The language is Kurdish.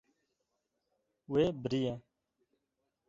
Wê biriye.